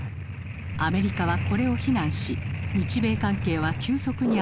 アメリカはこれを非難し日米関係は急速に悪化します。